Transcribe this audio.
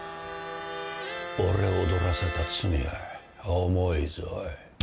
俺を踊らせた罪は重いぞ。